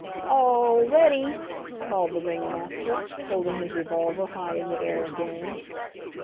"All ready!" called the ringmaster, holding his revolver high in the air again.